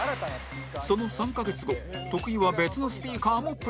その３カ月後徳井は別のスピーカーもプレゼン